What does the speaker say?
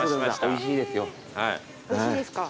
おいしいですか。